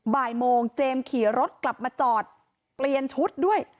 บ่ายโมงเจมส์ขี่รถกลับมาจอดเปลี่ยนชุดด้วย